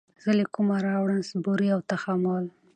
زه له كومه راوړم صبوري او تحمل